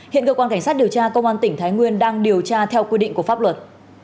hiện cơ quan cảnh sát điều tra công an tỉnh thái nguyên đang điều tra theo quy định của pháp luật